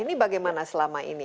ini bagaimana selama ini